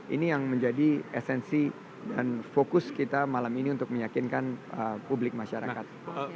ini yang menjadi esensi dan fokus kita malam ini untuk meyakinkan publik masyarakat